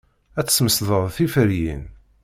Ad tesmesdeḍ tiferyin.